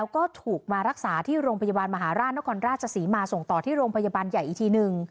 ก็ถูกมารักษาที่โรงพยาบาลมหาราชนครราชศรีมาส่งต่อที่โรงพยาบาลใหญ่อีกทีหนึ่ง